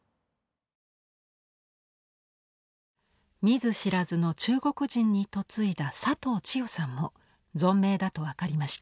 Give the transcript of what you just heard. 見ず知らずの中国人に嫁いだ佐藤千代さんも存命だと分かりました。